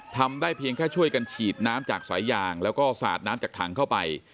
ทำได้เพียงแค่ช่วยกันฉีดน้ำจากสายยางแล้วก็สาดน้ำจากถังเข้าไป